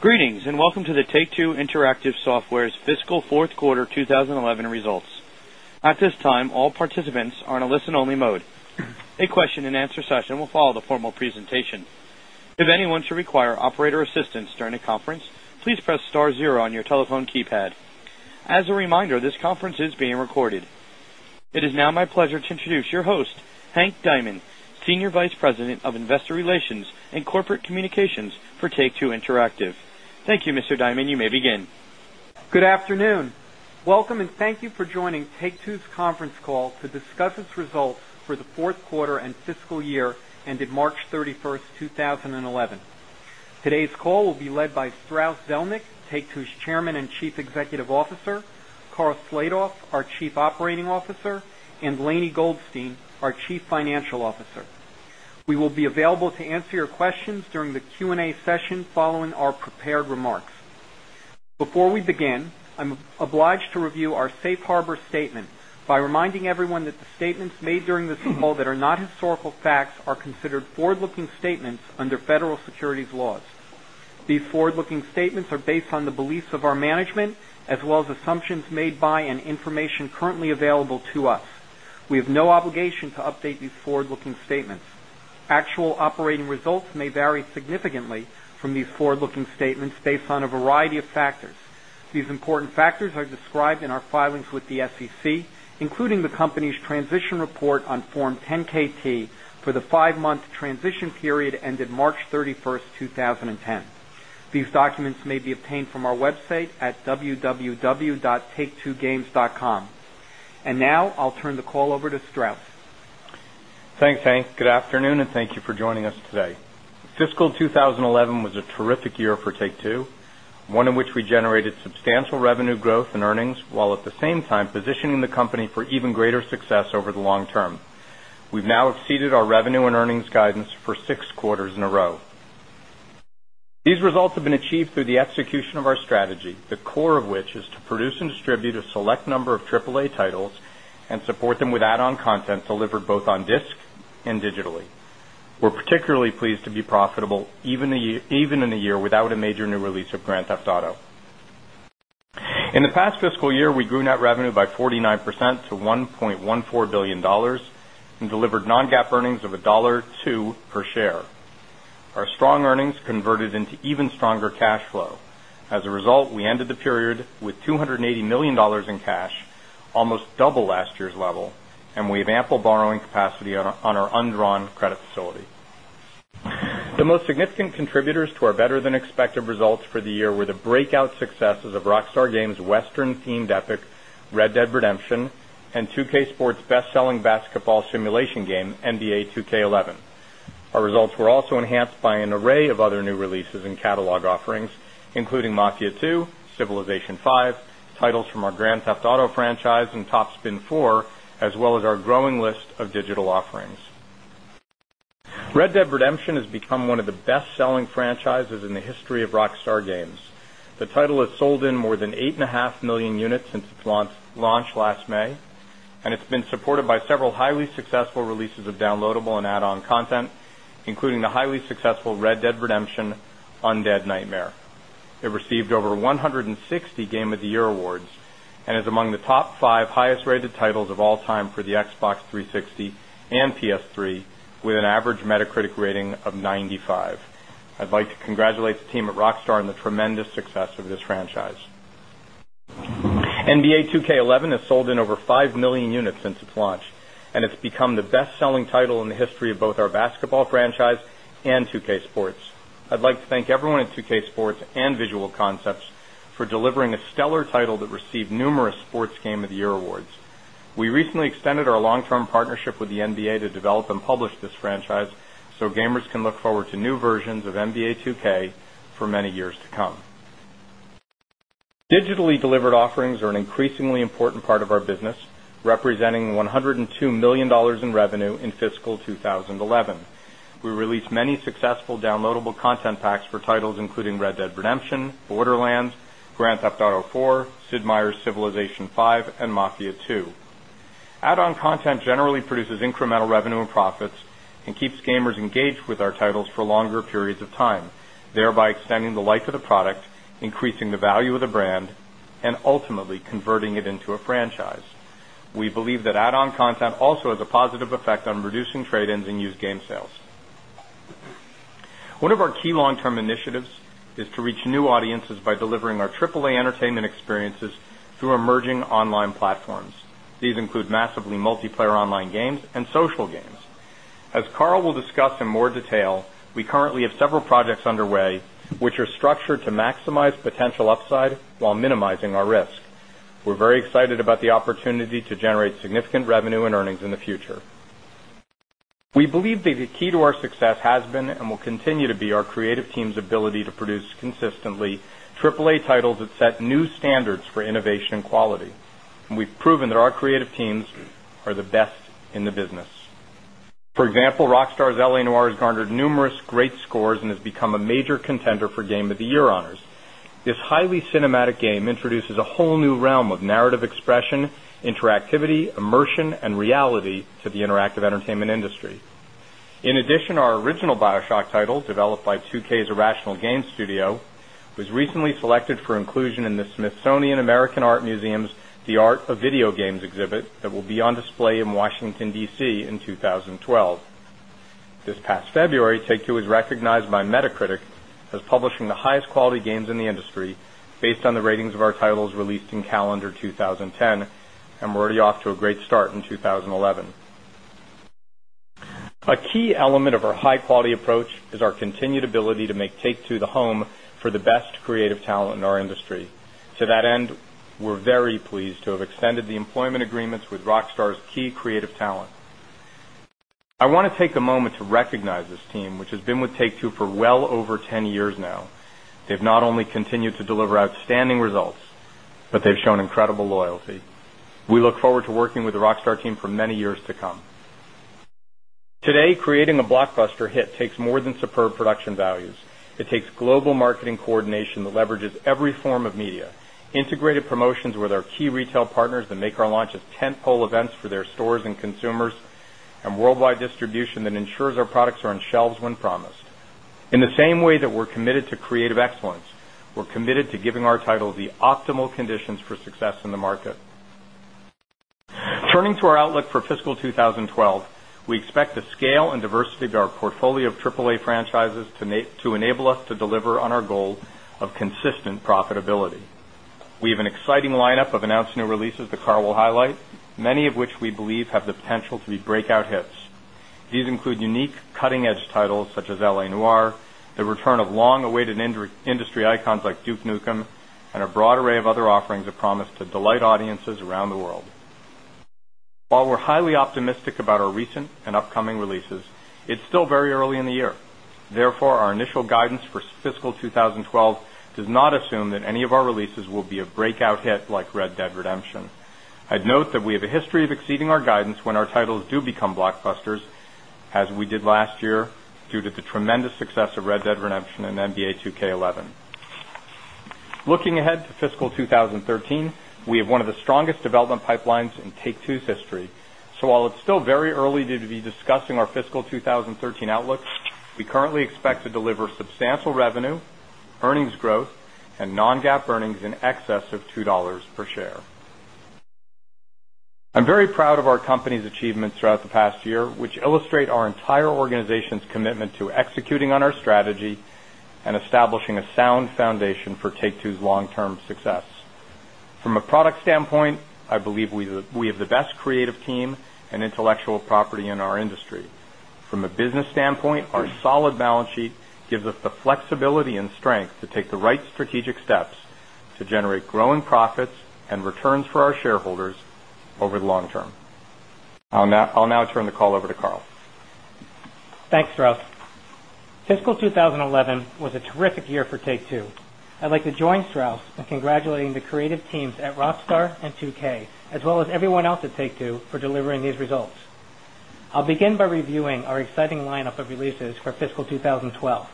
Greetings and welcome to the Take-Two Interactive Software's Fiscal Fourth Quarter 2011 Results. At this time, all participants are in a listen-only mode. A question and answer session will follow the formal presentation. If anyone should require operator assistance during the conference, please press star zero on your telephone keypad. As a reminder, this conference is being recorded. It is now my pleasure to introduce your host, Hank Diamond, Senior Vice President of Investor Relations and Corporate Communications for Take-Two Interactive. Thank you, Mr. Diamond. You may begin. Good afternoon. Welcome and thank you for joining Take-Two's Conference Call to discuss its results for the fourth quarter and fiscal year ended March 31, 2011. Today's call will be led by Strauss Zelnick, Take-Two's Chairman and Chief Executive Officer, Karl Slatoff, our Chief Operating Officer, and Lainie Goldstein, our Chief Financial Officer. We will be available to answer your questions during the Q&A session following our prepared remarks. Before we begin, I'm obliged to review our Safe Harbor Statement by reminding everyone that the statements made during this call that are not historical facts are considered forward-looking statements under Federal Securities Laws. These forward-looking statements are based on the beliefs of our management, as well as assumptions made by and information currently available to us. We have no obligation to update these forward-looking statements. Actual operating results may vary significantly from these forward-looking statements based on a variety of factors. These important factors are described in our filings with the SEC, including the company's Transition Report on Form 10-KT for the five-month transition period ended March 31, 2010. These documents may be obtained from our website at www.taketwogames.com. Now, I'll turn the call over to Strauss. Thanks, Hank. Good afternoon and thank you for joining us today. Fiscal 2011 was a terrific year for Take-Two, one in which we generated substantial revenue growth and earnings, while at the same time positioning the company for even greater success over the long term. We've now exceeded our revenue and earnings guidance for six quarters in a row. These results have been achieved through the execution of our strategy, the core of which is to produce and distribute a select number of AAA titles and support them with add-on digital content delivered both on disc and digitally. We're particularly pleased to be profitable even in a year without a major new release of Grand Theft Auto. In the past fiscal year, we grew net revenue by 49% to $1.14 billion and delivered non-GAAP earnings of $1.02 per share. Our strong earnings converted into even stronger cash flow. As a result, we ended the period with $280 million in cash, almost double last year's level, and we have ample borrowing capacity on our undrawn credit facility. The most significant contributors to our better-than-expected results for the year were the breakout successes of Rockstar Games' Western-themed epic Red Dead Redemption and 2K Sports' best-selling basketball simulation game, NBA 2K11. Our results were also enhanced by an array of other new releases and catalog offerings, including Mafia II, Civilization V, titles from our Grand Theft Auto franchise and Top Spin 4, as well as our growing list of digital offerings. Red Dead Redemption has become one of the best-selling franchises in the history of Rockstar Games. The title has sold in more than 8.5 million units since its launch last May, and it's been supported by several highly successful releases of downloadable and add-on digital content, including the highly successful Red Dead Redemption: Undead Nightmare. It received over 160 Game of the Year awards and is among the top five highest-rated titles of all time for the Xbox 360 and PS3, with an average Metacritic rating of 95. I'd like to congratulate the team at Rockstar Games on the tremendous success of this franchise. NBA 2K11 has sold in over 5 million units since its launch, and it's become the best-selling title in the history of both our basketball franchise and 2K Sports. I'd like to thank everyone at 2K Sports and Visual Concepts for delivering a stellar title that received numerous Sports Game of the Year awards. We recently extended our long-term partnership with the NBA to develop and publish this franchise, so gamers can look forward to new versions of NBA 2K for many years to come. Digitally delivered offerings are an increasingly important part of our business, representing $102 million in revenue in fiscal 2011. We released many successful downloadable content packs for titles including Red Dead Redemption, Borderlands, Grand Theft Auto IV, Sid Meier’s Civilization V, and Mafia II. Add-on content generally produces incremental revenue and profits and keeps gamers engaged with our titles for longer periods of time, thereby extending the life of the product, increasing the value of the brand, and ultimately converting it into a franchise. We believe that add-on content also has a positive effect on reducing trade-ins and used game sales. One of our key long-term initiatives is to reach new audiences by delivering our AAA entertainment experiences through emerging online platforms. These include massively multiplayer online games and social games. As Karl will discuss in more detail, we currently have several projects underway, which are structured to maximize potential upside while minimizing our risk. We're very excited about the opportunity to generate significant revenue and earnings in the future. We believe the key to our success has been and will continue to be our creative team's ability to produce consistently AAA titles that set new standards for innovation and quality. We've proven that our creative teams are the best in the business. For example, Rockstar Games' L.A. Noire has garnered numerous great scores and has become a major contender for Game of the Year honors. This highly cinematic game introduces a whole new realm of narrative expression, interactivity, immersion, and reality to the interactive entertainment industry. In addition, our original BioShock title, developed by 2K's Irrational Games Studio, was recently selected for inclusion in the Smithsonian American Art Museum's The Art of Video Games exhibit that will be on display in Washington, D.C., in 2012. This past February, Take-Two was recognized by Metacritic as publishing the highest quality games in the industry based on the ratings of our titles released in calendar 2010, and we're already off to a great start in 2011. A key element of our high-quality approach is our continued ability to make Take-Two the home for the best creative talent in our industry. To that end, we're very pleased to have extended the employment agreements with Rockstar's key creative talent. I want to take a moment to recognize this team, which has been with Take-Two for well over 10 years now. They've not only continued to deliver outstanding results, but they've shown incredible loyalty. We look forward to working with the Rockstar team for many years to come. Today, creating a blockbuster hit takes more than superb production values. It takes global marketing coordination that leverages every form of media, integrated promotions with our key retail partners that make our launches tentpole events for their stores and consumers, and worldwide distribution that ensures our products are on shelves when promised. In the same way that we're committed to creative excellence, we're committed to giving our title the optimal conditions for success in the market. Turning to our outlook for fiscal 2012, we expect the scale and diversity of our portfolio of AAA franchises to enable us to deliver on our goal of consistent profitability. We have an exciting lineup of announced new releases that Karl will highlight, many of which we believe have the potential to be breakout hits. These include unique, cutting-edge titles such as L.A. Noire, the return of long-awaited industry icons like Duke Nukem, and a broad array of other offerings that promise to delight audiences around the world. While we're highly optimistic about our recent and upcoming releases, it's still very early in the year. Therefore, our initial guidance for fiscal 2012 does not assume that any of our releases will be a breakout hit like Red Dead Redemption. I'd note that we have a history of exceeding our guidance when our titles do become blockbusters, as we did last year due to the tremendous success of Red Dead Redemption and NBA 2K11. Looking ahead to fiscal 2013, we have one of the strongest development pipelines in Take-Two's history. While it's still very early to be discussing our fiscal 2013 outlooks, we currently expect to deliver substantial revenue, earnings growth, and non-GAAP earnings in excess of $2 per share. I'm very proud of our company's achievements throughout the past year, which illustrate our entire organization's commitment to executing on our strategy and establishing a sound foundation for Take-Two's long-term success. From a product standpoint, I believe we have the best creative team and intellectual property in our industry. From a business standpoint, our solid balance sheet gives us the flexibility and strength to take the right strategic steps to generate growing profits and returns for our shareholders over the long term. I'll now turn the call over to Karl. Thanks, Strauss. Fiscal 2011 was a terrific year for Take-Two. I'd like to join Strauss in congratulating the creative teams at Rockstar and 2K, as well as everyone else at Take-Two for delivering these results. I'll begin by reviewing our exciting lineup of releases for fiscal 2012.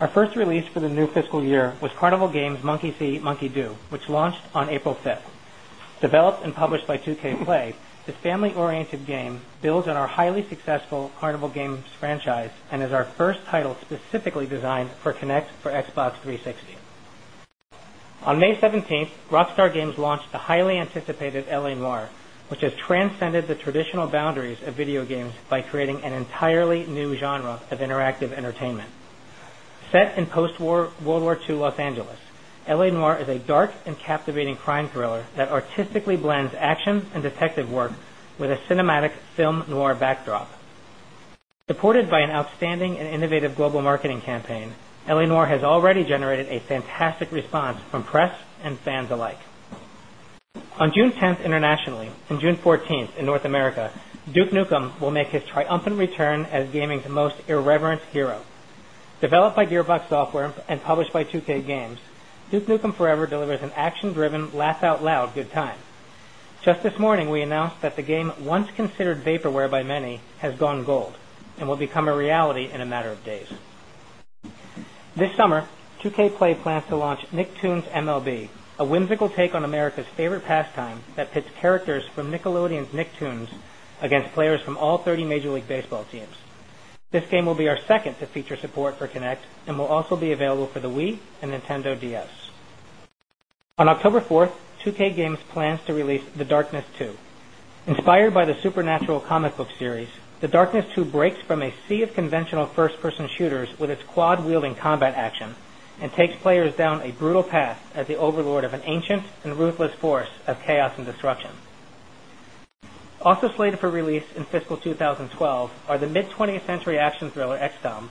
Our first release for the new fiscal year was Carnival Games: Monkey See, Monkey Do!, which launched on April 5. Developed and published by 2K Play, the family-oriented game builds on our highly successful Carnival Games franchise and is our first title specifically designed for Kinect for Xbox 360. On May 17, Rockstar Games launched the highly anticipated L.A. Noire, which has transcended the traditional boundaries of video games by creating an entirely new genre of interactive entertainment. Set in post-World War II Los Angeles, L.A. Noire is a dark and captivating crime thriller that artistically blends action and detective work with a cinematic film noir backdrop. Supported by an outstanding and innovative global marketing campaign, L.A. Noire has already generated a fantastic response from press and fans alike. On June 10 internationally and June 14 in North America, Duke Nukem will make his triumphant return as gaming's most irreverent hero. Developed by Gearbox and published by 2K Games, Duke Nukem Forever delivers an action-driven laugh-out-loud good time. Just this morning, we announced that the game, once considered vaporware by many, has gone gold and will become a reality in a matter of days. This summer, 2K Play plans to launch Nicktoons MLB, a whimsical take on America's favorite pastime that pits characters from Nickelodeon's Nicktoons against players from all 30 Major League Baseball teams. This game will be our second to feature support for Kinect and will also be available for the Wii and Nintendo DS. On October 4, 2K Games plans to release The Darkness II. Inspired by the supernatural comic book series, The Darkness II breaks from a sea of conventional first-person shooters with its quad-wielding combat action and takes players down a brutal path as the overlord of an ancient and ruthless force of chaos and destruction. Also slated for release in fiscal 2012 are the mid-20th century action thriller XCOM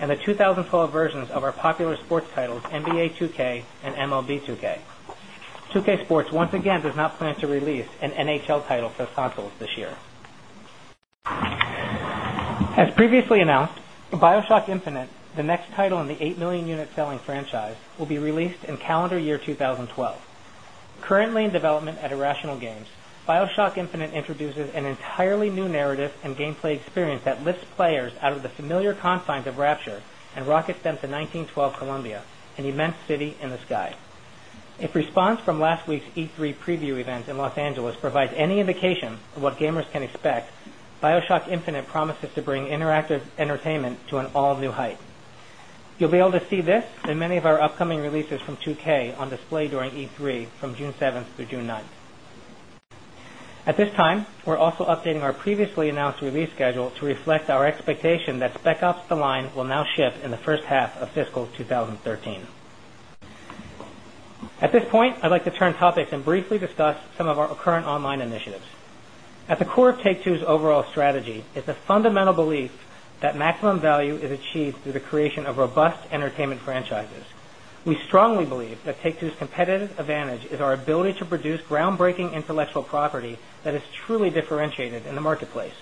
and the 2012 versions of our popular sports titles NBA 2K and MLB 2K. 2K Sports once again does not plan to release an NHL title for consoles this year. As previously announced, BioShock Infinite, the next title in the 8 million unit selling franchise, will be released in calendar year 2012. Currently in development at Irrational Games, BioShock Infinite introduces an entirely new narrative and gameplay experience that lifts players out of the familiar confines of Rapture and rockets them to 1912 Columbia, an immense city in the sky. If response from last week's E3 preview event in Los Angeles provides any indication of what gamers can expect, BioShock Infinite promises to bring interactive entertainment to an all-new height. You'll be able to see this and many of our upcoming releases from 2K on display during E3 from June 7 through June 9. At this time, we're also updating our previously announced release schedule to reflect our expectation that Spec Ops: The Line will now ship in the first half of fiscal 2013. At this point, I'd like to turn topics and briefly discuss some of our current online initiatives. At the core of Take-Two's overall strategy is the fundamental belief that maximum value is achieved through the creation of robust entertainment franchises. We strongly believe that Take-Two's competitive advantage is our ability to produce groundbreaking intellectual property that is truly differentiated in the marketplace.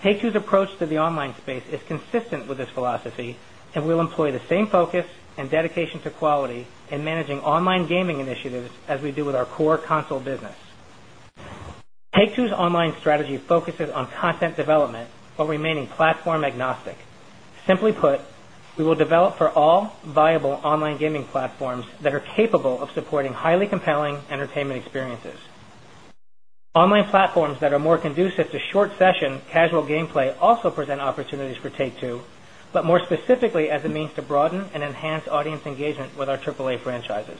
Take-Two's approach to the online space is consistent with this philosophy and will employ the same focus and dedication to quality in managing online gaming initiatives as we do with our core console business. Take-Two's online strategy focuses on content development while remaining platform agnostic. Simply put, we will develop for all viable online gaming platforms that are capable of supporting highly compelling entertainment experiences. Online platforms that are more conducive to short session casual gameplay also present opportunities for Take-Two, but more specifically as a means to broaden and enhance audience engagement with our AAA franchises.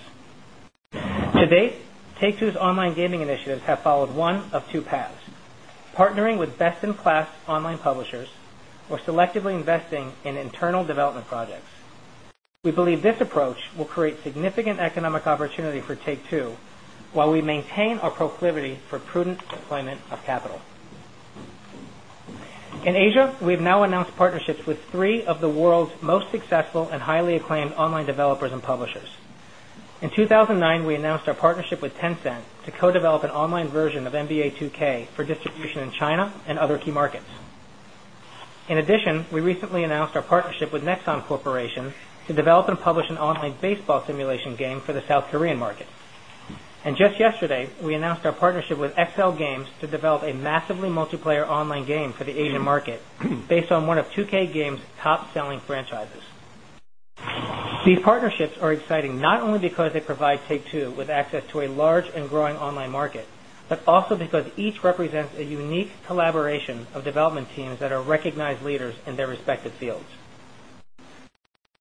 To date, Take-Two's online gaming initiatives have followed one of two paths: partnering with best-in-class online publishers or selectively investing in internal development projects. We believe this approach will create significant economic opportunity for Take-Two while we maintain our proclivity for prudent deployment of capital. In Asia, we have now announced partnerships with three of the world's most successful and highly acclaimed online developers and publishers. In 2009, we announced our partnership with Tencent to co-develop an online version of NBA 2K for distribution in China and other key markets. In addition, we recently announced our partnership with Nexon to develop and publish an online baseball simulation game for the South Korean market. Just yesterday, we announced our partnership with XL Games to develop a massively multiplayer online game for the Asian market based on one of 2K's top-selling franchises. These partnerships are exciting not only because they provide Take-Two with access to a large and growing online market, but also because each represents a unique collaboration of development teams that are recognized leaders in their respective fields.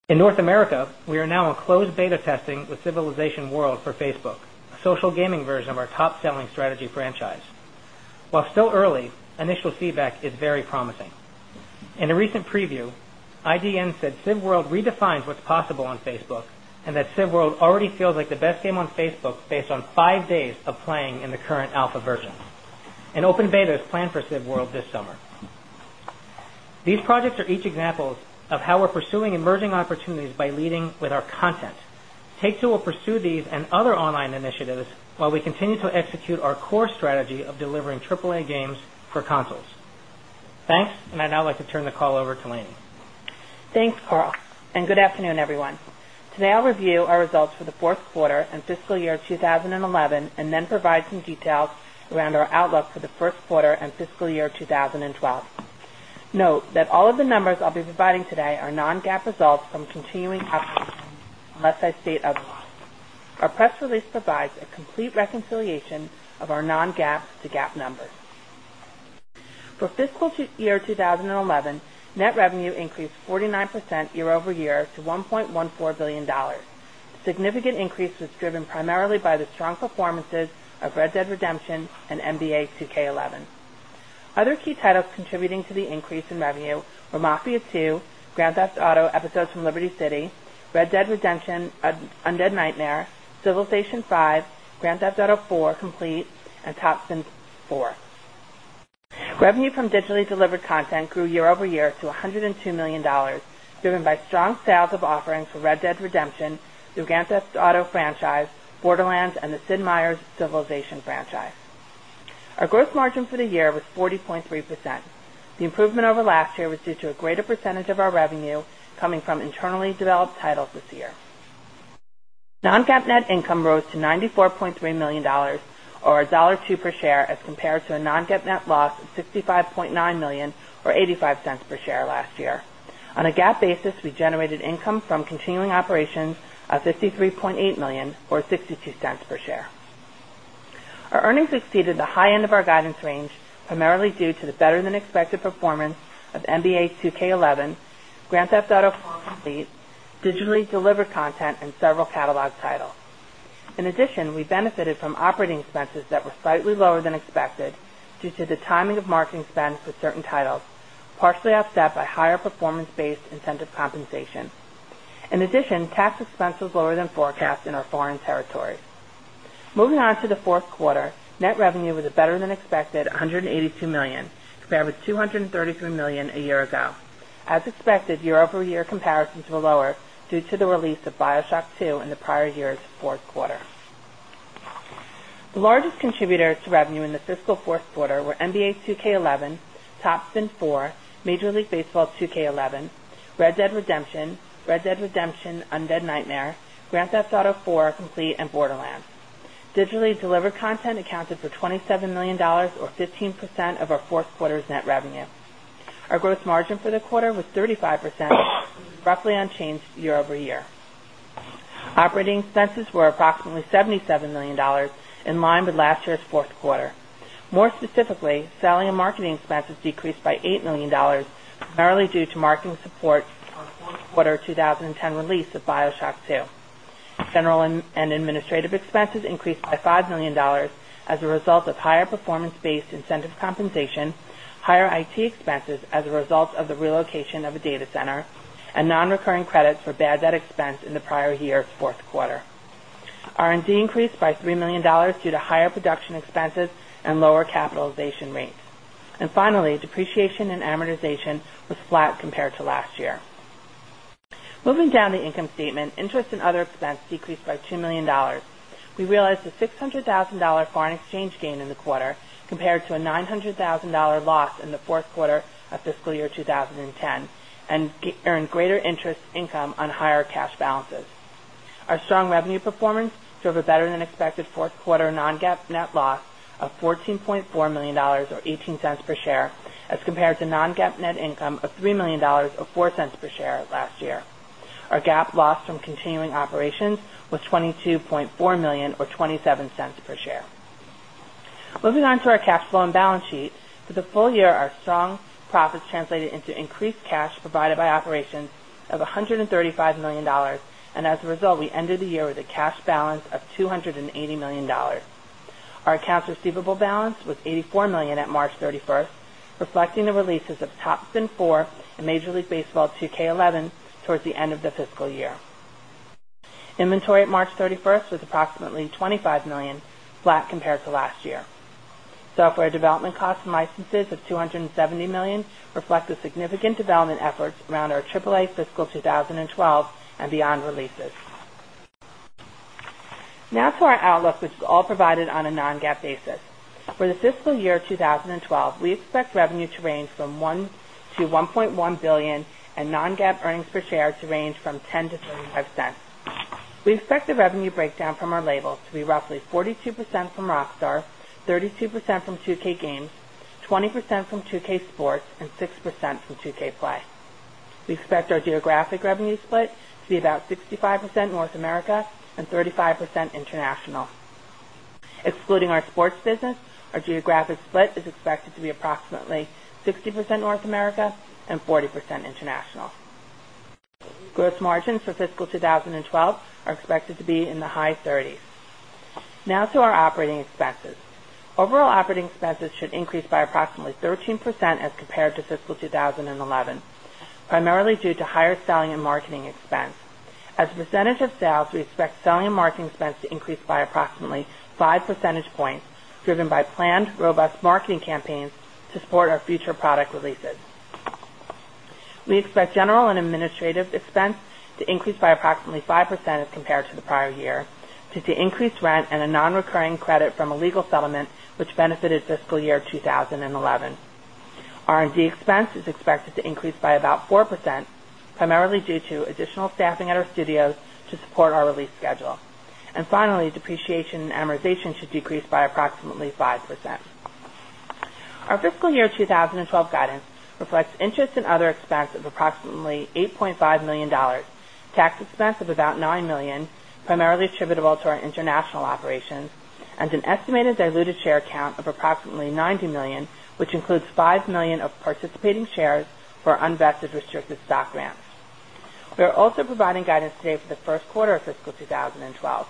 In North America, we are now in closed beta testing with Civilization World for Facebook, a social gaming version of our top-selling strategy franchise. While still early, initial feedback is very promising. In a recent preview, IDN said Civ World redefines what's possible on Facebook and that Civ World already feels like the best game on Facebook based on five days of playing in the current alpha version. An open beta is planned for Civ World this summer. These projects are each examples of how we're pursuing emerging opportunities by leading with our content. Take-Two will pursue these and other online initiatives while we continue to execute our core strategy of delivering AAA games for consoles. Thanks, and I'd now like to turn the call over to Lainie. Thanks, Karl, and good afternoon, everyone. Today, I'll review our results for the fourth quarter and fiscal year 2011 and then provide some details around our outlook for the fourth quarter and fiscal year 2012. Note that all of the numbers I'll be providing today are non-GAAP results from continuing operations, unless I state otherwise. Our press release provides a complete reconciliation of our non-GAAP to GAAP numbers. For fiscal year 2011, net revenue increased 49% year-over-year to $1.14 billion. A significant increase was driven primarily by the strong performances of Red Dead Redemption and NBA 2K11. Other key titles contributing to the increase in revenue were Mafia II, Grand Theft Auto: Episodes from Liberty City, Red Dead Redemption: Undead Nightmare, Civilization V, Grand Theft Auto IV: Complete, and Top Spin 4. Revenue from digitally delivered content grew year-over-year to $102 million, driven by strong sales of offerings for Red Dead Redemption, the Grand Theft Auto franchise, Borderlands, and the Sid Meier's Civilization franchise. Our gross margin for the year was 40.3%. The improvement over last year was due to a greater percentage of our revenue coming from internally developed titles this year. Non-GAAP net income rose to $94.3 million, or $1.02 per share, as compared to a non-GAAP net loss of $65.9 million, or $0.85 per share last year. On a GAAP basis, we generated income from continuing operations of $53.8 million, or $0.62 per share. Our earnings exceeded the high end of our guidance range, primarily due to the better-than-expected performance of NBA 2K11, Grand Theft Auto IV: Complete, digitally delivered content, and several catalog titles. In addition, we benefited from operating expenses that were slightly lower than expected due to the timing of marketing spend for certain titles, partially offset by higher performance-based incentive compensation. In addition, tax expense was lower than forecast in our foreign territories. Moving on to the fourth quarter, net revenue was better than expected, $182 million, compared with $233 million a year ago. As expected, year-over-year comparisons were lower due to the release of BioShock 2 in the prior year's fourth quarter. The largest contributors to revenue in the fiscal fourth quarter were NBA 2K11, Top Spin 4, Major League Baseball 2K11, Red Dead Redemption, Red Dead Redemption: Undead Nightmare, Grand Theft Auto IV: Complete, and Borderlands. Digitally delivered content accounted for $27 million, or 15% of our fourth quarter's net revenue. Our gross margin for the quarter was 35%, roughly unchanged year-over-year. Operating expenses were approximately $77 million, in line with last year's fourth quarter. More specifically, selling and marketing expenses decreased by $8 million, primarily due to marketing support for the quarter 2010 release of BioShock 2. General and administrative expenses increased by $5 million as a result of higher performance-based incentive compensation, higher IT expenses as a result of the relocation of a data center, and non-recurring credits for bad debt expense in the prior year's fourth quarter. R&D increased by $3 million due to higher production expenses and lower capitalization rates. Depreciation and amortization was flat compared to last year. Moving down the income statement, interest and other expense decreased by $2 million. We realized a $0.6 million foreign exchange gain in the quarter compared to a $0.9 million loss in the fourth quarter of fiscal year 2010 and earned greater interest income on higher cash balances. Our strong revenue performance drove a better-than-expected fourth quarter non-GAAP net loss of $14.4 million, or $0.18 per share, as compared to non-GAAP net income of $3 million, or $0.04 per share last year. Our GAAP loss from continuing operations was $22.4 million, or $0.27 per share. Moving on to our cash flow and balance sheet, for the full year, our strong profits translated into increased cash provided by operations of $135 million, and as a result, we ended the year with a cash balance of $280 million. Our cash receivable balance was $84 million at March 31, reflecting the releases of Top Spin 4 and Major League Baseball 2K11 towards the end of the fiscal year. Inventory at March 31 was approximately $25 million, flat compared to last year. Software development costs and licenses of $270 million reflect the significant development efforts around our AAA fiscal 2012 and beyond releases. Now for our outlook with all provided on a non-GAAP basis. For the fiscal year 2012, we expect revenue to range from $1 billion-$1.1 billion and non-GAAP earnings per share to range from $0.10-$0.35. We expect the revenue breakdown from our label to be roughly 42% from Rockstar, 32% from 2K Games, 20% from 2K Sports, and 6% from 2K Play. We expect our geographic revenue split to be about 65% North America and 35% international. Excluding our sports business, our geographic split is expected to be approximately 60% North America and 40% international. Gross margins for fiscal 2012 are expected to be in the high 30s. Now to our operating expenses. Overall operating expenses should increase by approximately 13% as compared to fiscal 2011, primarily due to higher selling and marketing expense. As a percentage of sales, we expect selling and marketing expense to increase by approximately five percentage points, driven by planned, robust marketing campaigns to support our future product releases. We expect general and administrative expense to increase by approximately 5% as compared to the prior year due to increased rent and a non-recurring credit from a legal settlement which benefited fiscal year 2011. R&D expense is expected to increase by about 4%, primarily due to additional staffing at our studios to support our release schedule. Finally, depreciation and amortization should decrease by approximately 5%. Our fiscal year 2012 guidance reflects interest and other expense of approximately $8.5 million, tax expense of about $9 million, primarily attributable to our international operations, and an estimated diluted share count of approximately 90 million, which includes 5 million of participating shares for unvested restricted stock grants. We are also providing guidance today for the first quarter of fiscal 2012.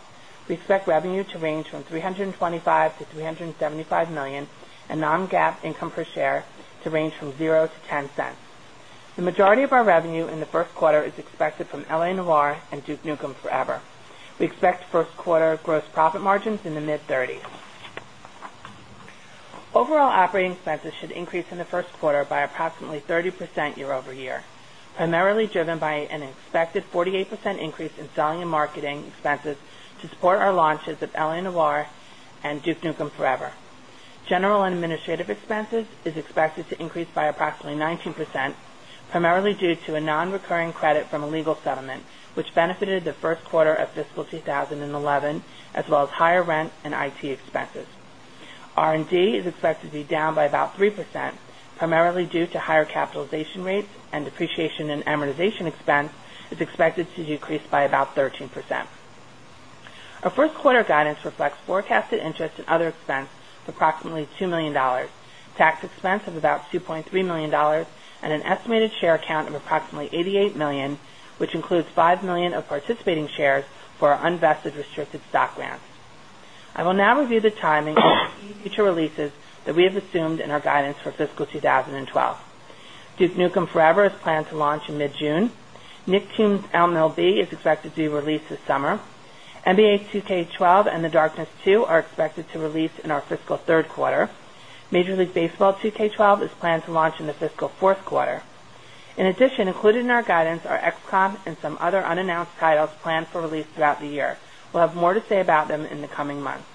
We expect revenue to range from $325 million-$375 million and non-GAAP income per share to range from $0.00-$0.10. The majority of our revenue in the first quarter is expected from L.A. Noire and Duke Nukem Forever. We expect first quarter gross profit margins in the mid-30s. Overall operating expenses should increase in the first quarter by approximately 30% year-over-year, primarily driven by an expected 48% increase in selling and marketing expenses to support our launches of L.A. Noire and Duke Nukem Forever. General and administrative expenses are expected to increase by approximately 19%, primarily due to a non-recurring credit from a legal settlement which benefited the first quarter of fiscal 2011, as well as higher rent and IT expenses. R&D is expected to be down by about 3%, primarily due to higher capitalization rates and depreciation and amortization expense is expected to decrease by about 13%. Our first quarter guidance reflects forecasted interest and other expense of approximately $2 million, tax expense of about $2.3 million, and an estimated share count of approximately 88 million, which includes 5 million of participating shares for unvested restricted stock grants. I will now review the timing of future releases that we have assumed in our guidance for fiscal 2012. Duke Nukem Forever is planned to launch in mid-June. Nicktoons MLB is expected to be released this summer. NBA 2K12 and The Darkness II are expected to release in our fiscal third quarter. Major League Baseball 2K12 is planned to launch in the fiscal fourth quarter. In addition, included in our guidance are XCOM and some other unannounced titles planned for release throughout the year. We'll have more to say about them in the coming months.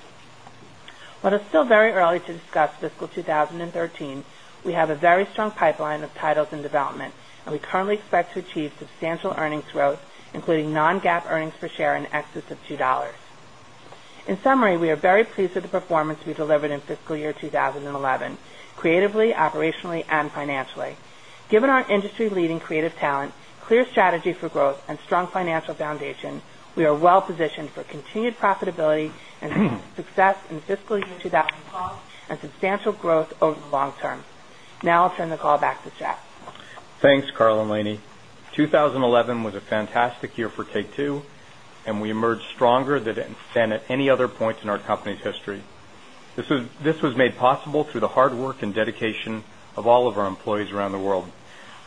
While it's still very early to discuss fiscal 2013, we have a very strong pipeline of titles in development, and we currently expect to achieve substantial earnings growth, including non-GAAP earnings per share in excess of $2. In summary, we are very pleased with the performance we delivered in fiscal year 2011, creatively, operationally, and financially. Given our industry-leading creative talent, clear strategy for growth, and strong financial foundation, we are well positioned for continued profitability and success in fiscal year 2012 and substantial growth over the long term. Now I'll turn the call back to Strauss. Thanks, Karl and Lainie. 2011 was a fantastic year for Take-Two, and we emerged stronger than it has been at any other point in our company's history. This was made possible through the hard work and dedication of all of our employees around the world.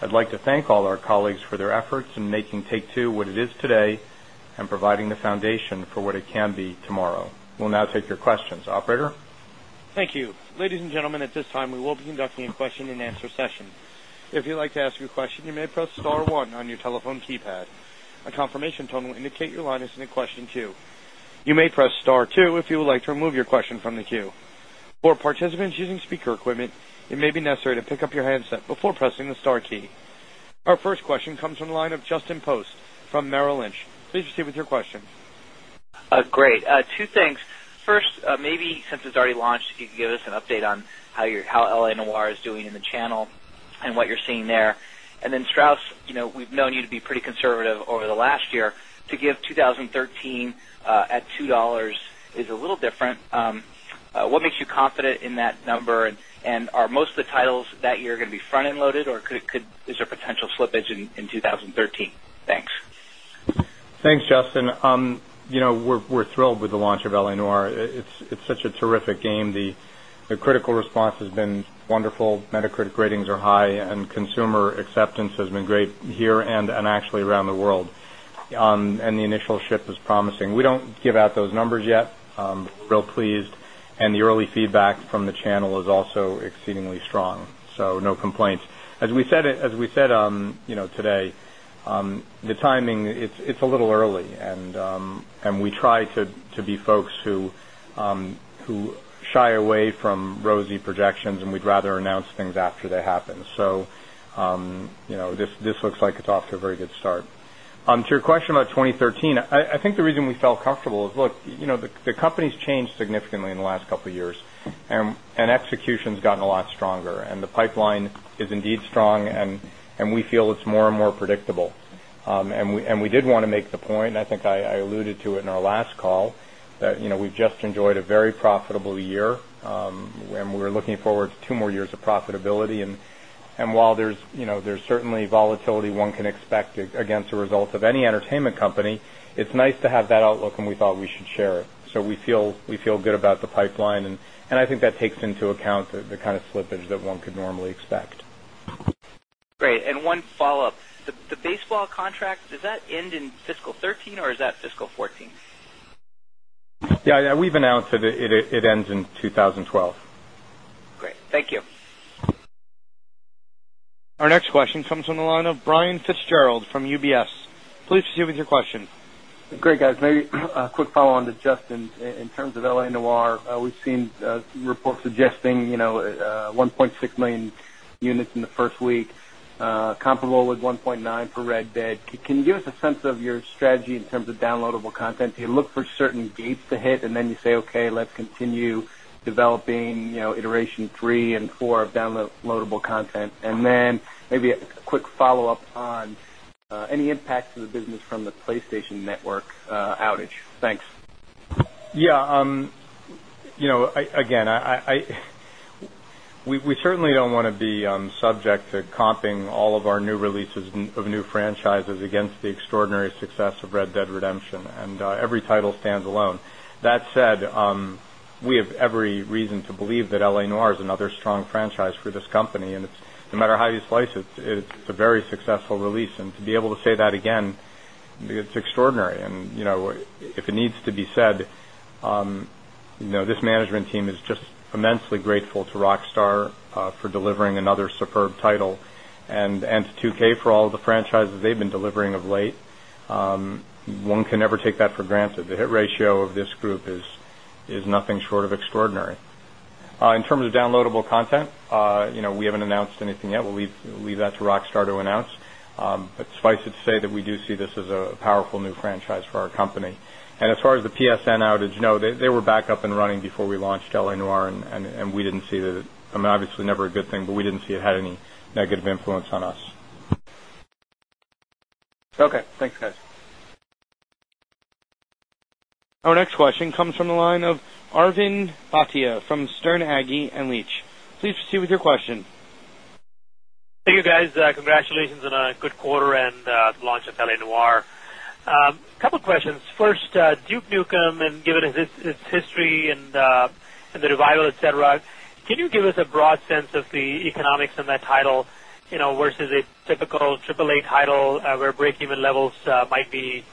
I'd like to thank all our colleagues for their efforts in making Take-Two what it is today and providing the foundation for what it can be tomorrow. We'll now take your questions, operator. Thank you. Ladies and gentlemen, at this time, we will be conducting a question-and-answer session. If you'd like to ask your question, you may press star one on your telephone keypad. A confirmation tone will indicate your line is in question queue. You may press star two if you would like to remove your question from the queue. For participants using speaker equipment, it may be necessary to pick up your headset before pressing the star key. Our first question comes from the line of Justin Post from Merrill Lynch. Please proceed with your question. Great. Two things. First, maybe since it's already launched, if you could give us an update on how L.A. Noire is doing in the channel and what you're seeing there. Strauss, you know we've known you to be pretty conservative over the last year. To give 2013 at $2 is a little different. What makes you confident in that number? Are most of the titles that year going to be front-end loaded, or is there a potential slippage in 2013? Thanks. Thanks, Justin. You know we're thrilled with the launch of L.A. Noire. It's such a terrific game. The critical response has been wonderful. Metacritic ratings are high, and consumer acceptance has been great here and actually around the world. The initial ship is promising. We don't give out those numbers yet. Real pleased. The early feedback from the channel is also exceedingly strong. No complaints. As we said today, the timing, it's a little early. We try to be folks who shy away from rosy projections, and we'd rather announce things after they happen. This looks like it's off to a very good start. To your question about 2013, I think the reason we felt comfortable is, look, the company's changed significantly in the last couple of years, and execution's gotten a lot stronger. The pipeline is indeed strong, and we feel it's more and more predictable. We did want to make the point, and I think I alluded to it in our last call, that we've just enjoyed a very profitable year, and we're looking forward to two more years of profitability. While there's certainly volatility one can expect against the results of any entertainment company, it's nice to have that outlook, and we thought we should share it. We feel good about the pipeline, and I think that takes into account the kind of slippage that one could normally expect. Great. One follow-up. The baseball contracts, does that end in fiscal 2013, or is that fiscal 2014? Yeah, we've announced that it ends in 2012. Great, thank you. Our next question comes from the line of Brian Fitzgerald from UBS. Please proceed with your question. Great, guys. Maybe a quick follow-on to Justin. In terms of L.A. Noire, we've seen reports suggesting 1.6 million units in the first week, comparable with 1.9 million for Red Dead. Can you give us a sense of your strategy in terms of downloadable content? Do you look for certain gates to hit, and then you say, OK, let's continue developing iteration three and four of downloadable content? Maybe a quick follow-up on any impacts to the business from the PlayStation Network outage. Thanks. Yeah. You know, again, we certainly don't want to be subject to comping all of our new releases of new franchises against the extraordinary success of Red Dead Redemption, and every title stands alone. That said, we have every reason to believe that L.A. Noire is another strong franchise for this company, and no matter how you slice it, it's a very successful release. To be able to say that again, it's extraordinary. If it needs to be said, this management team is just immensely grateful to Rockstar for delivering another superb title and to 2K for all of the franchises they've been delivering of late. One can never take that for granted. The hit ratio of this group is nothing short of extraordinary. In terms of downloadable content, we haven't announced anything yet. We'll leave that to Rockstar to announce. Suffice it to say that we do see this as a powerful new franchise for our company. As far as the PSN outage, no, they were back up and running before we launched L.A. Noire, and we didn't see that. I mean, obviously, never a good thing, but we didn't see it had any negative influence on us. OK. Thanks, guys. Our next question comes from the line of Arvind Bhatia from Sterne Agee & Leach. Please proceed with your question. Thank you, guys. Congratulations on a good quarter and the launch of L.A. Noire. A couple of questions. First, Duke Nukem, and given its history and the revival, et cetera, can you give us a broad sense of the economics in that title versus a typical AAA title where break-even levels might be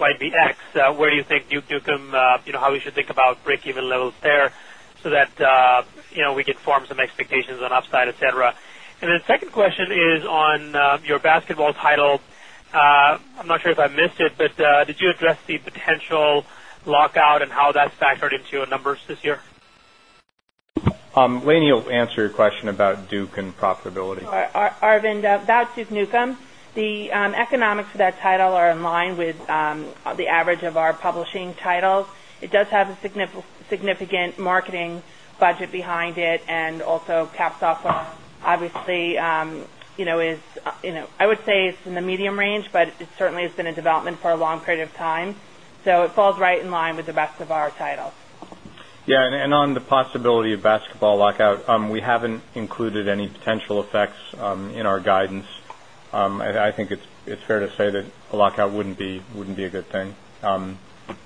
X? Where do you think Duke Nukem, how we should think about break-even levels there so that we could form some expectations on upside, et cetera? The second question is on your basketball title. I'm not sure if I missed it, but did you address the potential lockout and how that's factored into your numbers this year? Lainie, you'll answer your question about Duke Nukem and profitability. Arvind, that's Duke Nukem. The economics of that title are in line with the average of our publishing titles. It does have a significant marketing budget behind it and also caps off. Obviously, I would say it's in the medium range, but it certainly has been in development for a long period of time. It falls right in line with the rest of our titles. Yeah, on the possibility of a basketball lockout, we haven't included any potential effects in our guidance. I think it's fair to say that a lockout wouldn't be a good thing,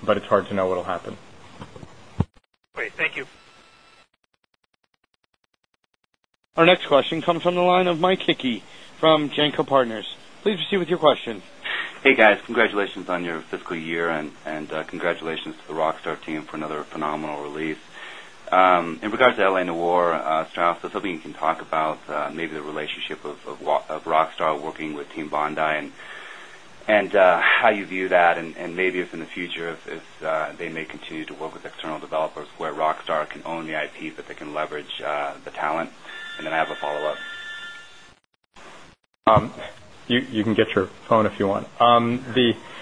but it's hard to know what'll happen. Great. Thank you. Our next question comes from the line of Mike Hickey from Janco Partners. Please proceed with your questions. Hey, guys. Congratulations on your fiscal year and congratulations to the Rockstar team for another phenomenal release. In regards to L.A. Noire, Strauss, I was hoping you can talk about maybe the relationship of Rockstar working with Team Bondi and how you view that, and maybe if in the future they may continue to work with external developers where Rockstar can own the IPs that they can leverage the talent. I have a follow-up. You can get your phone if you want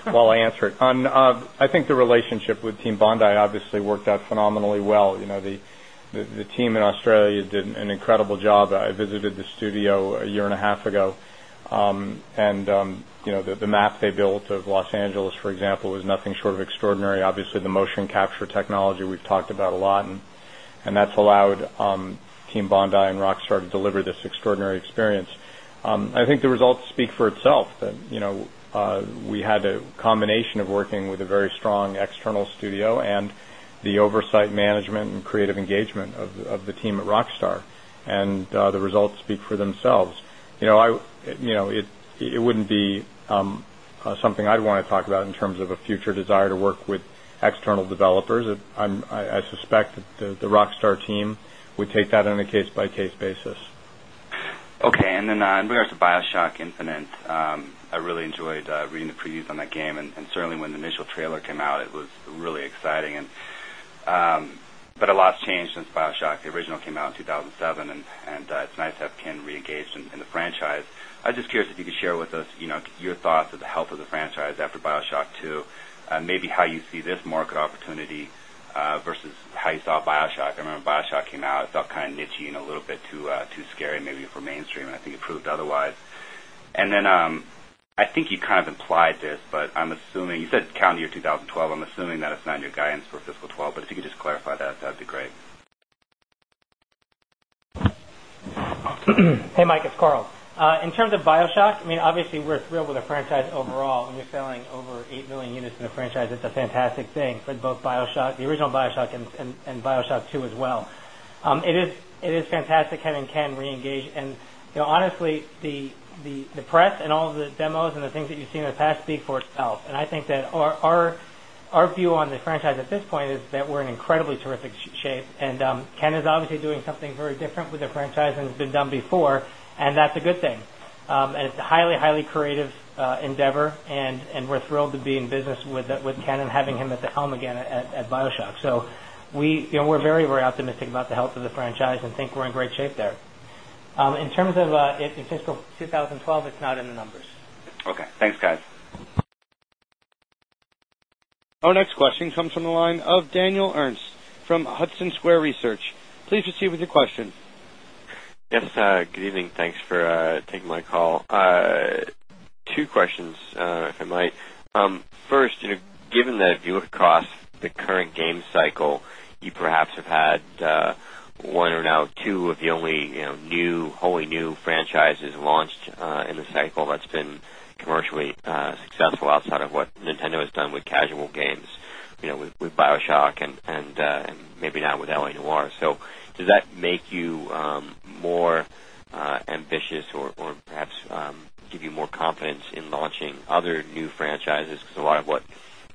while I answer it. I think the relationship with Team Bondi obviously worked out phenomenally well. The team in Australia did an incredible job. I visited the studio a year and a half ago, and the map they built of Los Angeles, for example, was nothing short of extraordinary. Obviously, the motion capture technology we've talked about a lot, and that's allowed Team Bondi and Rockstar to deliver this extraordinary experience. I think the results speak for themselves. We had a combination of working with a very strong external studio and the oversight, management, and creative engagement of the team at Rockstar, and the results speak for themselves. It wouldn't be something I'd want to talk about in terms of a future desire to work with external developers. I suspect that the Rockstar team would take that on a case-by-case basis. OK. In regards to BioShock Infinite, I really enjoyed reading the previews on that game, and certainly when the initial trailer came out, it was really exciting. A lot's changed since BioShock. The original came out in 2007, and it's nice to have Ken re-engaged in the franchise. I was just curious if you could share with us your thoughts of the health of the franchise after BioShock 2, maybe how you see this market opportunity versus how you saw BioShock. I remember BioShock came out. It felt kind of niche-y and a little bit too scary maybe for mainstream, and I think it proved otherwise. I think you kind of implied this, but I'm assuming you said calendar year 2012. I'm assuming that it's not in your guidance for fiscal 2012. If you could just clarify that, that'd be great. Hey, Mike. It's Karl. In terms of Bioshock, I mean, obviously, we're thrilled with the franchise overall. When you're selling over 8 million units in a franchise, it's a fantastic thing for both the original Bioshock and Bioshock 2 as well. It is fantastic having Ken re-engaged. Honestly, the press and all of the demos and the things that you've seen in the past speak for itself. I think that our view on the franchise at this point is that we're in incredibly terrific shape, and Ken is obviously doing something very different with the franchise than has been done before, and that's a good thing. It's a highly, highly creative endeavor, and we're thrilled to be in business with Ken and having him at the helm again at Bioshock. We're very, very optimistic about the health of the franchise and think we're in great shape there. In terms of fiscal 2012, it's not in the numbers. OK, thanks, guys. Our next question comes from the line of Daniel Ernst from Hudson Square Research. Please proceed with your question. Yes. Good evening. Thanks for taking my call. Two questions, if I might. First, given that if you look across the current game cycle, you perhaps have had one or now two of the only new, wholly new franchises launched in the cycle that's been commercially successful outside of what Nintendo has done with casual games, with Bioshock and maybe now with L.A. Noire. Does that make you more ambitious or perhaps give you more confidence in launching other new franchises? A lot of what's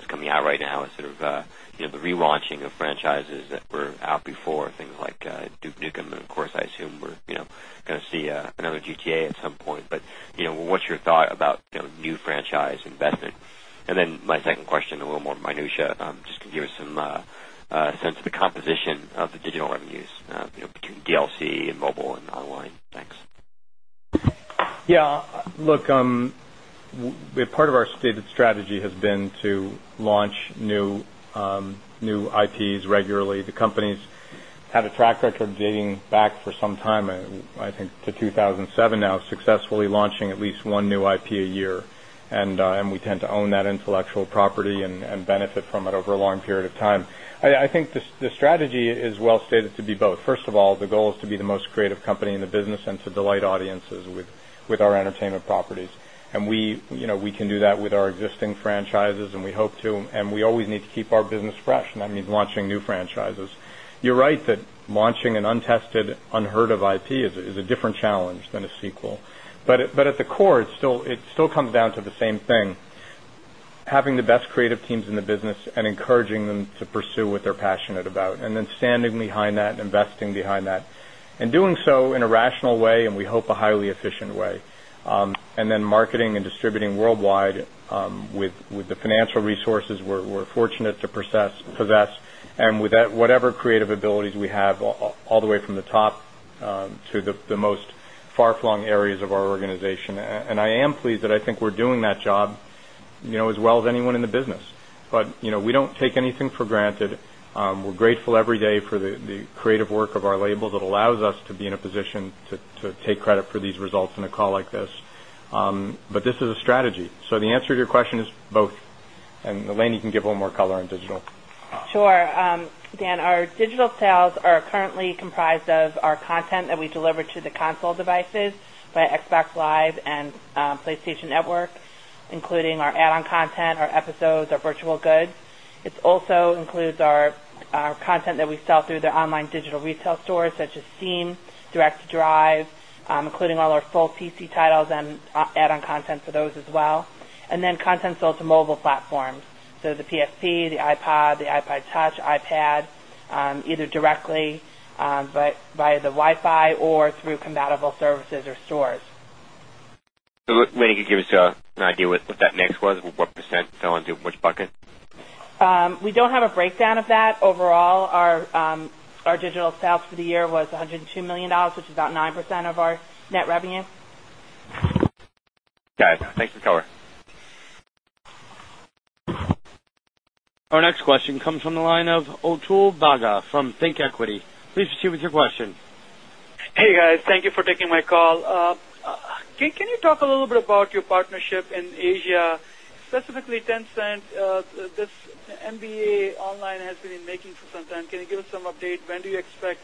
coming out right now is sort of the relaunching of franchises that were out before, things like Duke Nukem. Of course, I assume we're going to see another GTA at some point. What's your thought about new franchise investment? My second question, a little more minutiae, just to give us some sense of the composition of the digital revenues between DLC and mobile and online. Thanks. Yeah. Look, part of our stated strategy has been to launch new IPs regularly. The companies have a track record dating back for some time, I think to 2007 now, successfully launching at least one new IP a year. We tend to own that intellectual property and benefit from it over a long period of time. I think the strategy is well stated to be both. First of all, the goal is to be the most creative company in the business and to delight audiences with our entertainment properties. We can do that with our existing franchises, and we hope to. We always need to keep our business fresh, and that means launching new franchises. You're right that launching an untested, unheard-of IP is a different challenge than a sequel. At the core, it still comes down to the same thing: having the best creative teams in the business and encouraging them to pursue what they're passionate about, and then standing behind that and investing behind that, and doing so in a rational way, and we hope a highly efficient way. Then marketing and distributing worldwide with the financial resources we're fortunate to possess and with whatever creative abilities we have, all the way from the top to the most far-flung areas of our organization. I am pleased that I think we're doing that job as well as anyone in the business. We don't take anything for granted. We're grateful every day for the creative work of our label that allows us to be in a position to take credit for these results in a call like this. This is a strategy. The answer to your question is both. Lainie, you can give a little more color on digital. Sure. Dan, our digital sales are currently comprised of our content that we deliver to the console devices by Xbox Live and PlayStation Network, including our add-on digital content, our episodes, our virtual goods. It also includes our content that we sell through the online digital retail stores, such as Steam, Direct Drive, including all our full PC titles and add-on digital content for those as well. Content sold to mobile platforms, so the PSP, the iPod, the iPod Touch, iPad, either directly via the Wi-Fi or through compatible services or stores, is also included. Maybe you could give us an idea of what that mix was, what percent fell into which bucket? We don't have a breakdown of that. Overall, our digital sales for the year was $102 million, which is about 9% of our net revenue. Got it. Thanks to the seller. Our next question comes from the line of Atul Bagga from ThinkEquity. Please proceed with your question. Hey, guys. Thank you for taking my call. Can you talk a little bit about your partnership in Asia, specifically Tencent? This NBA Online has been in making for some time. Can you give us some update? When do you expect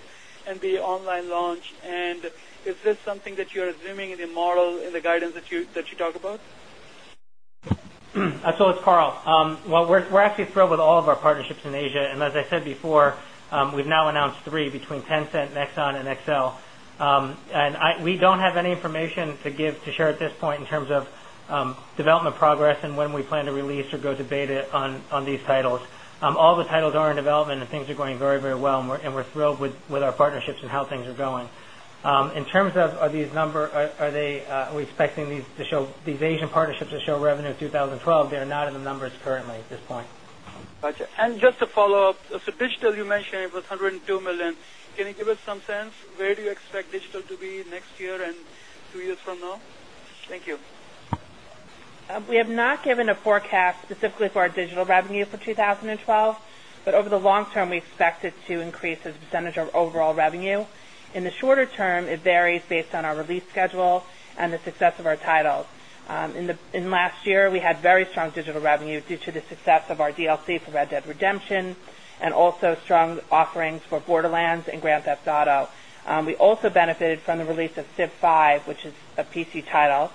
NBA Online launch, and is this something that you're assuming in the model in the guidance that you talk about? Absolutely. It's Karl. We're actually thrilled with all of our partnerships in Asia. As I said before, we've now announced three between Tencent, Nexon, and XL. We don't have any information to share at this point in terms of development progress and when we plan to release or go to beta on these titles. All the titles are in development, and things are going very, very well. We're thrilled with our partnerships and how things are going. In terms of are these numbers, are we expecting these Asian partnerships to show revenue in 2012? They're not in the numbers currently at this point. Gotcha. Just to follow up, digital, you mentioned it was $102 million. Can you give us some sense? Where do you expect digital to be next year and two years from now? Thank you. We have not given a forecast specifically for our digital revenue for 2012. However, over the long term, we expect it to increase as a percentage of overall revenue. In the shorter term, it varies based on our release schedule and the success of our title. Last year, we had very strong digital revenue due to the success of our add-on DLC Red Dead Redemption and also strong offerings for Borderlands and Grand Theft Auto. We also benefited from the release of Civ V, which is a PC title,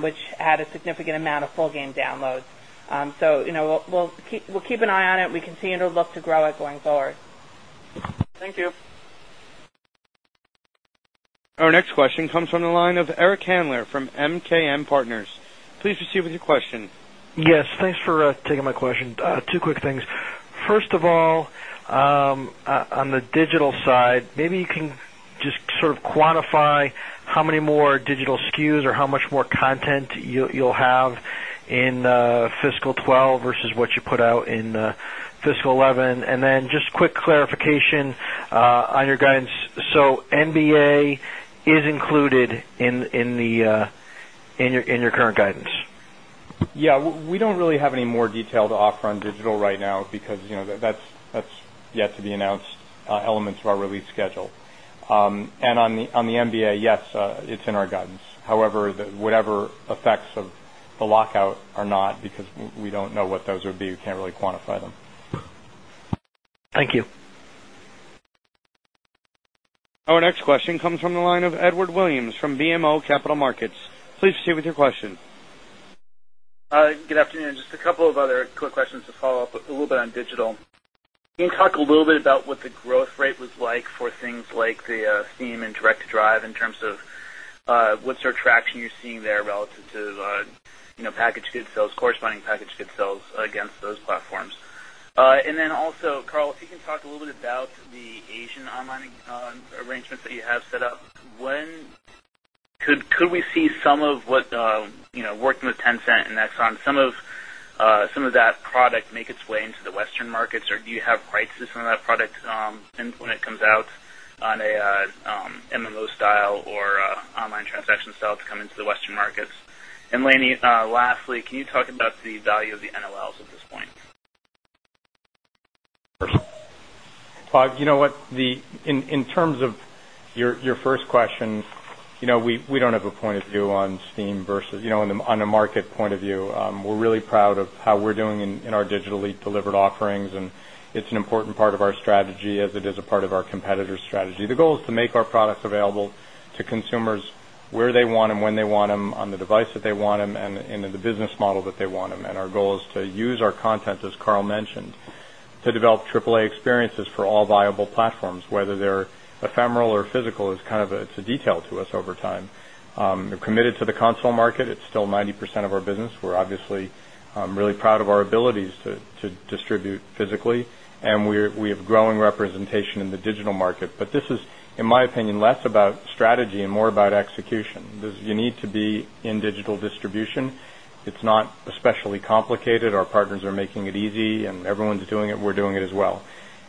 which had a significant amount of full-game downloads. We will keep an eye on it. We continue to look to grow it going forward. Thank you. Our next question comes from the line of Eric Handler from MKM Partners. Please proceed with your question. Yes, thanks for taking my question. Two quick things. First of all, on the digital side, maybe you can just sort of quantify how many more digital SKUs or how much more content you'll have in fiscal 2012 versus what you put out in fiscal 2011. Just a quick clarification on your guidance. NBA is included in your current guidance. Yeah. We don't really have any more detail to offer on digital right now because that's yet to be announced elements of our release schedule. On the NBA, yes, it's in our guidance. However, whatever effects of the lockout are not, because we don't know what those would be, we can't really quantify them. Thank you. Our next question comes from the line of Edward Williams from BMO Capital Markets. Please proceed with your question. Good afternoon. Just a couple of other quick questions to follow up a little bit on digital. Can you talk a little bit about what the growth rate was like for things like the Steam and Direct Drive in terms of what sort of traction you're seeing there relative to packaged goods sales, corresponding packaged goods sales against those platforms? Also, Karl, if you can talk a little bit about the Asian online arrangements that you have set up. Could we see some of what working with Tencent and Nexon, some of that product make its way into the Western markets, or do you have quite a system of that product when it comes out on an MMO style or online transaction style to come into the Western markets? Lainie, lastly, can you talk about the value of the NOLs at this point? You know what? In terms of your first question, we don't have a point of view on Steam versus on the market point of view. We're really proud of how we're doing in our digitally delivered offerings, and it's an important part of our strategy as it is a part of our competitor's strategy. The goal is to make our products available to consumers where they want them, when they want them, on the device that they want them, and in the business model that they want them. Our goal is to use our content, as Karl mentioned, to develop AAA experiences for all viable platforms, whether they're ephemeral or physical. It's a detail to us over time. We're committed to the console market. It's still 90% of our business. We're obviously really proud of our abilities to distribute physically, and we have growing representation in the digital market. In my opinion, this is less about strategy and more about execution. You need to be in digital distribution. It's not especially complicated. Our partners are making it easy, and everyone's doing it. We're doing it as well.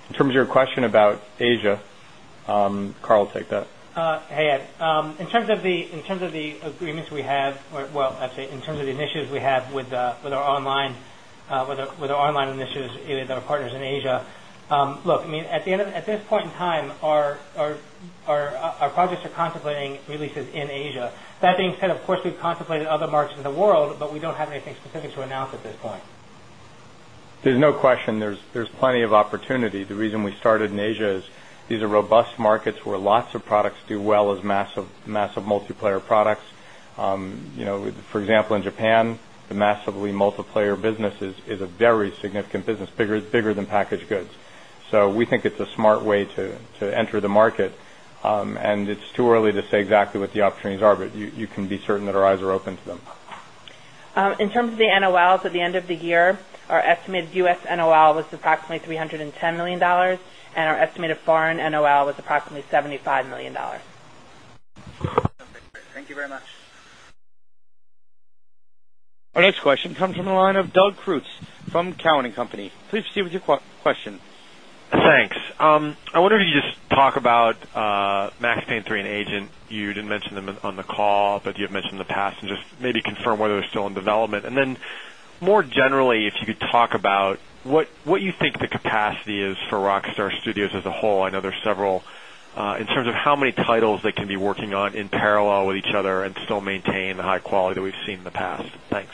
In terms of your question about Asia, Karl, take that. Hey, Ed. In terms of the agreements we have, in terms of the initiatives we have with our online initiatives with our partners in Asia, look, I mean, at this point in time, our projects are contemplating releases in Asia. That being said, of course, we've contemplated other markets in the world, but we don't have anything specific to announce at this point. There's no question there's plenty of opportunity. The reason we started in Asia is these are robust markets where lots of products do well as massive multiplayer products. For example, in Japan, the massively multiplayer business is a very significant business, bigger than packaged goods. We think it's a smart way to enter the market. It's too early to say exactly what the opportunities are, but you can be certain that our eyes are open to them. In terms of the NOLs, at the end of the year, our estimated U.S. NOL was approximately $310 million, and our estimated foreign NOL was approximately $75 million. OK, thank you very much. Our next question comes from the line of Doug Creutz from Cowen and Company. Please proceed with your question. Thanks. I wonder if you could just talk about Max Payne 3 and Agent. You didn't mention them on the call, but you have mentioned them in the past. Maybe confirm whether they're still in development. More generally, if you could talk about what you think the capacity is for Rockstar Studio as a whole. I know there's several in terms of how many titles they can be working on in parallel with each other and still maintain the high quality that we've seen in the past. Thanks.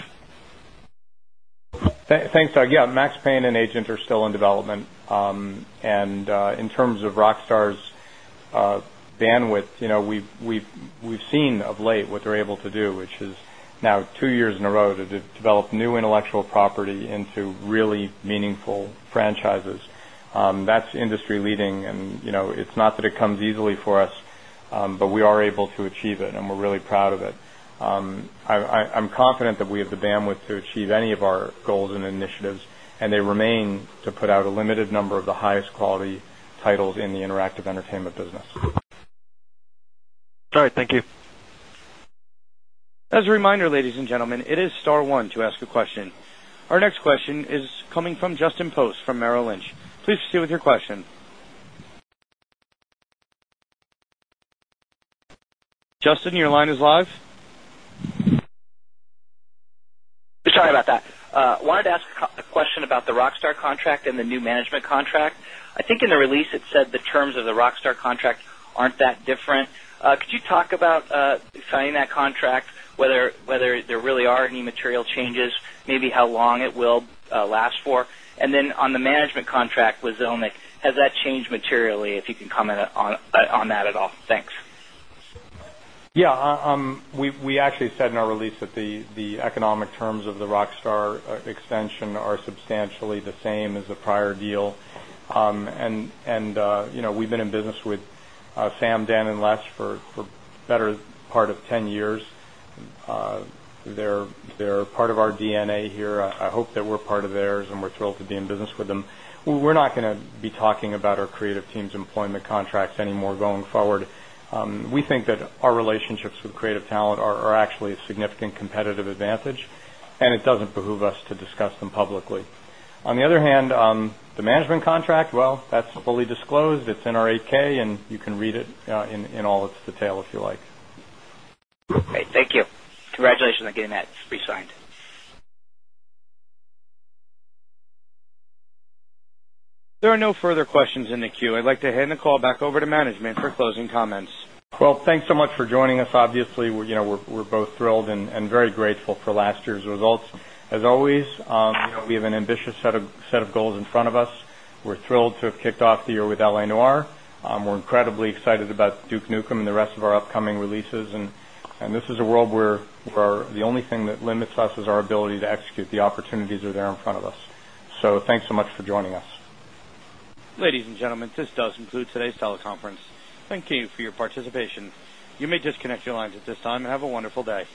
Thanks, Doug. Yeah, Max Payne and Agent are still in development. In terms of Rockstar's bandwidth, we've seen of late what they're able to do, which is now two years in a row to develop new intellectual property into really meaningful franchises. That's industry leading, and it's not that it comes easily for us, but we are able to achieve it, and we're really proud of it. I'm confident that we have the bandwidth to achieve any of our goals and initiatives, and they remain to put out a limited number of the highest quality titles in the interactive entertainment business. All right, thank you. As a reminder, ladies and gentlemen, it is star one to ask a question. Our next question is coming from Justin Post from Merrill Lynch. Please proceed with your question. Justin, your line is live. Sorry about that. I wanted to ask a question about the Rockstar contract and the new management contract. I think in the release, it said the terms of the Rockstar contract aren't that different. Could you talk about signing that contract, whether there really are any material changes, maybe how long it will last for? On the management contract with Zelnick, has that changed materially? If you can comment on that at all. Thanks. Yeah. We actually said in our release that the economic terms of the Rockstar extension are substantially the same as the prior deal. We've been in business with Sam, Dan, and Les for a better part of 10 years. They're part of our DNA here. I hope that we're part of theirs, and we're thrilled to be in business with them. We're not going to be talking about our creative team's employment contracts anymore going forward. We think that our relationships with creative talent are actually a significant competitive advantage, and it doesn't behoove us to discuss them publicly. On the other hand, the management contract is fully disclosed. It's in our 8K, and you can read it in all its detail if you like. Great. Thank you. Congratulations on getting that re-signed. There are no further questions in the queue. I'd like to hand the call back over to management for closing comments. Thank you so much for joining us. Obviously, we're both thrilled and very grateful for last year's results. As always, we have an ambitious set of goals in front of us. We're thrilled to have kicked off the year with L.A. Noire. We're incredibly excited about Duke Nukem and the rest of our upcoming releases. This is a world where the only thing that limits us is our ability to execute. The opportunities are there in front of us. Thank you so much for joining us. Ladies and gentlemen, this does conclude today's teleconference. Thank you for your participation. You may disconnect your lines at this time and have a wonderful day.